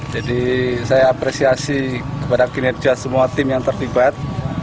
jadi saya apresiasi kepada kinerja semua tim yang terlibat